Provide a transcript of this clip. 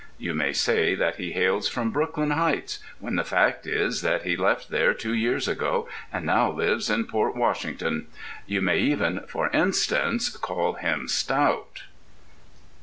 You may say that he hails from Brooklyn Heights when the fact is that he left there two years ago and now lives in Port Washington. You may even (for instance) call him stout....